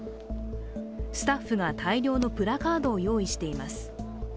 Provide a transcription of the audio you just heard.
スタッフが大量のプラカードを用意しています。